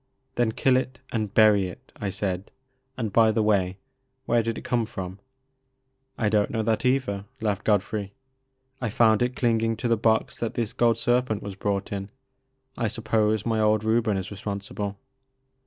Then kill it and bury it," I said ;*' and by the way, where did it come fix)m ?"I don't know that either," laughed Godfiey ;I found it clinging to the box that this gold ser pent was brought in, I suppose my old Reuben is responsible."